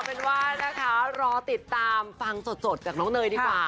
เราติดตามฟังสดจากน้องเนยดีกว่า